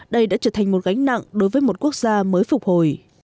đây đã trở thành một gánh nặng đối với một quốc gia mới phục hồi